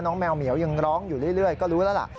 แมวเหมียวยังร้องอยู่เรื่อยก็รู้แล้วล่ะ